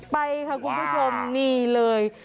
ไปค่ะคุณผู้ชมนี่เลย